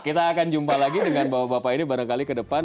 kita akan jumpa lagi dengan bapak bapak ini barangkali ke depan